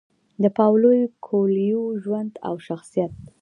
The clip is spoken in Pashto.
د پاولو کویلیو ژوند او شخصیت: